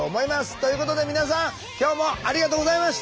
ということで皆さん今日もありがとうございました。